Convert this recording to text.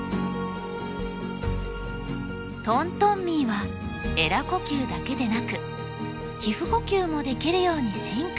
トントンミーはえら呼吸だけでなく皮膚呼吸もできるように進化。